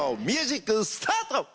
ミュージックスタート！